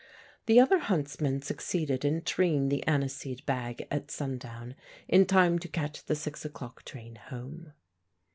The other huntsmen succeeded in treeing the anise seed bag at sundown, in time to catch the 6 o'clock train home.